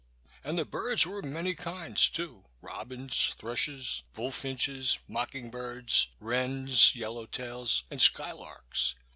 And the birds were of many kinds, too: robins, thrushes, bullfinches, mocking birds, wrens, yellowtails and skylarks.